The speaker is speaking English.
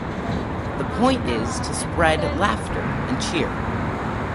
The point is to spread laughter and cheer.